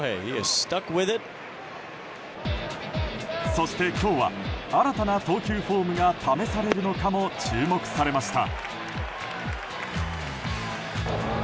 そして今日は、新たな投球フォームが試されるのかも注目されました。